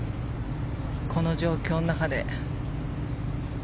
この状況の中で。